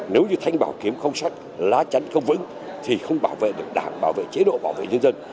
nếu như thanh bảo kiếm không sắc lá chắn không vững thì không bảo vệ được đảng bảo vệ chế độ bảo vệ nhân dân